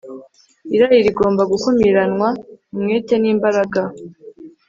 Irari rigomba gukumiranwa umwete nimbaraga